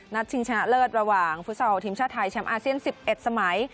ชิงชนะเลิศระหว่างฟุตซอลทีมชาติไทยแชมป์อาเซียน๑๑สมัย